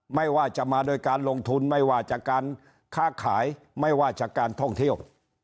ไม่ว่าจะมาโดยการลงทุนไม่ว่าจากการค้าขายไม่ว่าจากการท่องเที่ยว